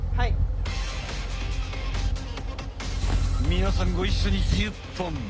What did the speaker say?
皆さんご一緒に１０本！